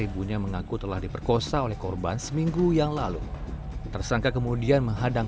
ibunya mengaku telah diperkosa oleh korban seminggu yang lalu tersangka kemudian menghadang